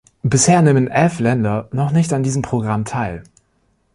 Bisher nehmen elf Länder noch nicht an diesem Programm teil.